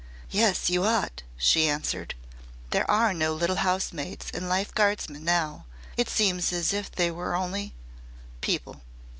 "Yes, you ought," she answered. "There are no little housemaids and life guardsmen now. It seems as if there were only people."